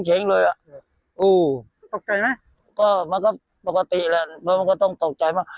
ตกใจไหมก็มันก็ปกติแหละมันก็ต้องตกใจมาก